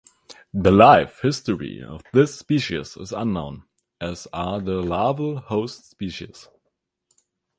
The life history of this species is unknown as are the larval host species.